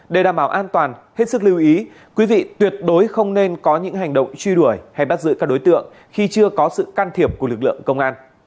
để đảm bảo an toàn hết sức lưu ý quý vị tuyệt đối không nên có những hành động truy đuổi hay bắt giữ các đối tượng khi chưa có sự can thiệp của lực lượng công an